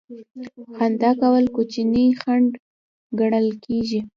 خندا کول کوچنی خنډ ګڼل کیږي.